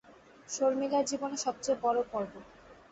শর্মিলার জীবনে সব চেয়ে বড়ো পরব।